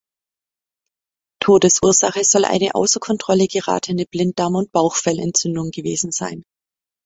Todesursache soll eine außer Kontrolle geratene Blinddarm- und Bauchfellentzündung gewesen sein.